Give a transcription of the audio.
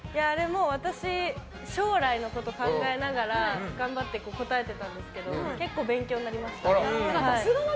私、将来のことを考えながら頑張って聞いてたんですけど結構、勉強になりました。